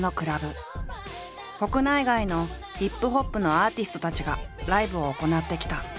国内外のＨＩＰＨＯＰのアーティストたちがライブを行ってきた。